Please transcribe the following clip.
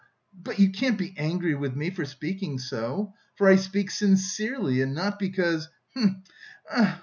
but you can't be angry with me for speaking so! For I speak sincerely and not because... hm, hm!